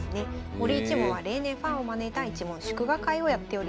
森一門は例年ファンを招いた一門祝賀会をやっております。